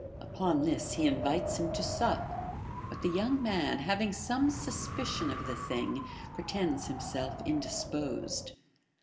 Upon this he invites him to sup ; but the young man, having some suspicion of the thing, pretends himself indisposed.